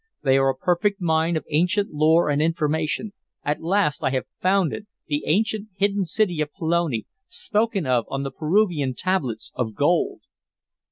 They are a perfect mine of ancient lore and information. At last I have found it! The ancient, hidden city of Pelone, spoken of on the Peruvian tablets, of gold."